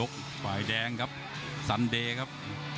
ฝ่ายแดงครับสันเดย์ครับ